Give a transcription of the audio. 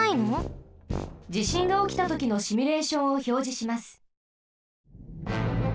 じしんがおきたときのシミュレーションをひょうじします。